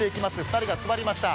２人が座りました